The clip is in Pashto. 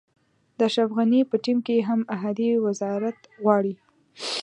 د اشرف غني په ټیم کې هم احدي وزارت غواړي.